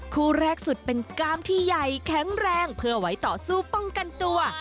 คู่แรกสุดเป็นกล้ามที่ใหญ่แข็งแรงเพื่อไว้ต่อสู้ป้องกันตัว